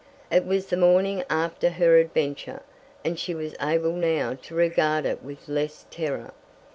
It was the morning after her adventure, and she was able now to regard it with less terror.